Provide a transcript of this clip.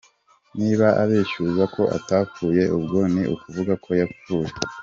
Niba abeshyuza ko atapfuye ubwo ni ukuvuga ko yapfuye.